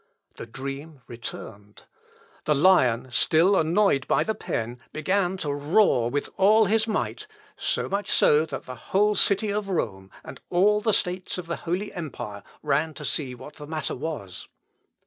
The dream returned. The lion, still annoyed by the pen, began to roar with all his might, so much so that the whole city of Rome and all the states of the holy empire, ran to see what the matter was.